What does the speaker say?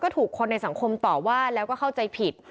ถูกคนในสังคมต่อว่าแล้วก็เข้าใจผิด